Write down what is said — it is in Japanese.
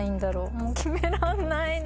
もう決めらんないな。